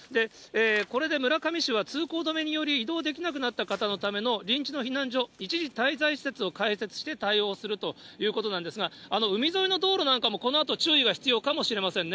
これで村上市は通行止めにより、移動できなくなった方のための臨時の避難所、一時滞在施設を開設して、対応するということなんですが、海沿いの道路なんかもこのあと注意が必要かもしれませんね。